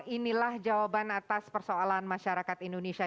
inilah jawaban atas persoalan masyarakat indonesia